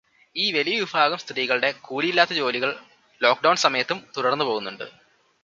ഈ വലിയ വിഭാഗം സ്ത്രീകളുടെ കൂലിയില്ലാത്ത ജോലികൾ ലോക്ക്ഡൗൺ സമയത്തും തുടർന്ന് പോകുന്നുണ്ട്.